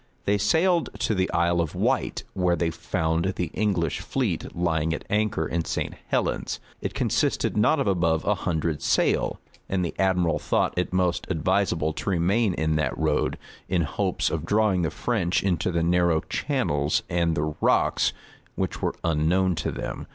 [] They sailed to the Isle of Wight, where they found the English fleet lying at anchor in St. Helen's. It consisted not of above a hundred sail; and the admiral thought it most advisable to remain in that road, in hopes of drawing the French into the narrow channels and the rocks, which were unknown to them.